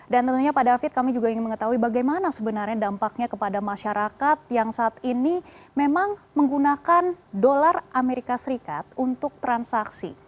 dan tentunya pak david kami juga ingin mengetahui bagaimana sebenarnya dampaknya kepada masyarakat yang saat ini memang menggunakan dolar amerika serikat untuk transaksi